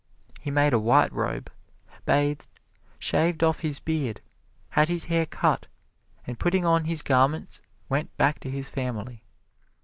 He made a white robe, bathed, shaved off his beard, had his hair cut, and putting on his garments, went back to his family.